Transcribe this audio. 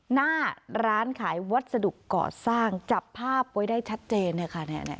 หน้าร้านขายวัสดุก่อสร้างจับภาพไว้ได้ชัดเจนเนี่ยค่ะ